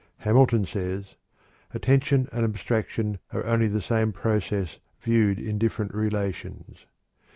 Hamilton says: "Attention and abstraction are only the same process viewed in different relations."